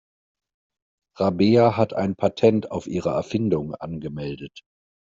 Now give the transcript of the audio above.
Rabea hat ein Patent auf ihre Erfindung angemeldet.